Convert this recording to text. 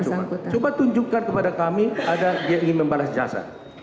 wa yang mana coba coba tunjukkan kepada kami ada yang ingin membalas jasa